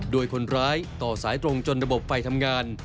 โดยคนร้ายต่อสายตรงจนระบบไฟทำงาน